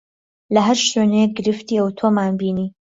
له ههر شوێنێک گرفتی ئهوتۆمان بینی